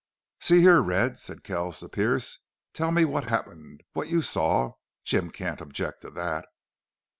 "See here, Red," said Kells to Pearce, "tell me what happened what you saw. Jim can't object to that."